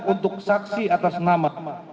untuk saksi atas nama